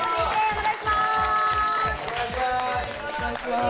お願いします！